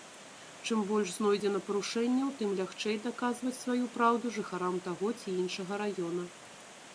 Чым больш знойдзена парушэнняў, тым лягчэй даказваць сваю праўду жыхарам таго ці іншага раёна.